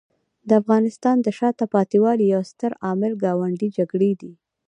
د افغانستان د شاته پاتې والي یو ستر عامل ګاونډي جګړې دي.